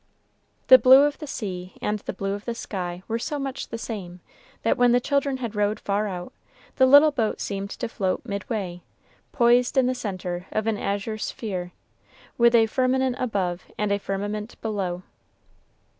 The blue of the sea and the blue of the sky were so much the same, that when the children had rowed far out, the little boat seemed to float midway, poised in the centre of an azure sphere, with a firmament above and a firmament below.